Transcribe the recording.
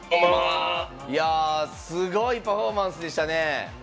すごいパフォーマンスでしたね。